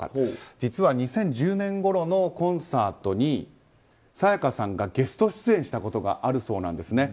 実は２０１０年ごろのコンサートに沙也加さんがゲスト出演したことがあるそうなんですね。